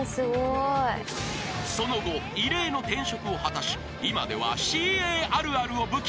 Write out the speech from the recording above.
［その後異例の転職を果たし今ではＣＡあるあるを武器に活躍中］